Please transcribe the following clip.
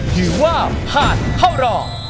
ถือว่าผ่านเข้ารอง